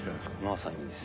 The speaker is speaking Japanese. まさにです。